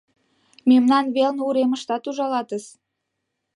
Мемнан велне уремыштат ужалатыс.